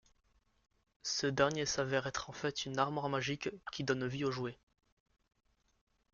Ce dernier s'avère être en fait une armoire magique qui donne vie aux jouets.